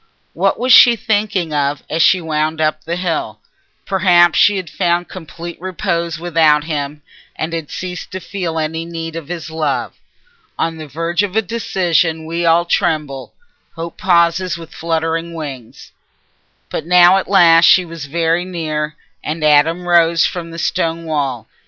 What was she thinking of as she wound up the hill? Perhaps she had found complete repose without him, and had ceased to feel any need of his love. On the verge of a decision we all tremble: hope pauses with fluttering wings. But now at last she was very near, and Adam rose from the stone wall.